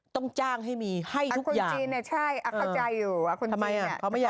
ต้องจ้างให้มีให้ทุกอย่างคนจีนเนี่ยใช่เข้าใจอยู่ว่าคนจีน